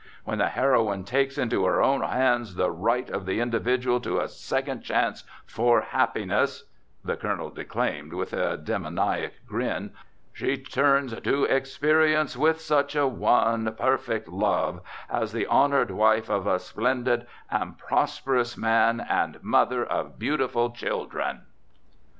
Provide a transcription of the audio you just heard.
When the heroine takes into her own hands the right of the individual to a second chance for happiness," the Colonel declaimed with a demoniac grin, "she turns to experience with such a one perfect love, as the honoured wife of a splendid and prosperous man and the mother of beautiful children.